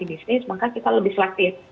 kita mau ekspansi bisnis maka kita lebih selektif